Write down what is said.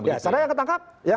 ya ada yang ketangkap